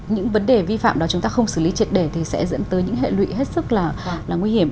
những vấn đề vi phạm đó chúng ta không xử lý triệt để thì sẽ dẫn tới những hệ lụy hết sức là nguy hiểm